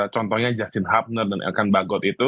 contohnya justin hapner dan elkambagot